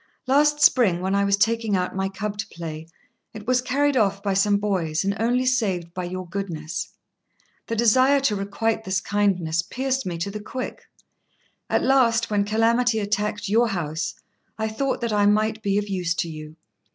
Last spring, when I was taking out my cub to play, it was carried off by some boys, and only saved by your goodness. The desire to requite this kindness pierced me to the quick. At last, when calamity attacked your house, I thought that I might be of use to you.